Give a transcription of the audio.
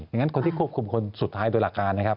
อย่างนั้นคนที่ควบคุมคนสุดท้ายโดยหลักการนะครับ